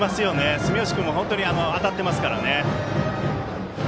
住石君も本当に当たっていますからね。